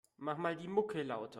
Mach mal die Mucke lauter.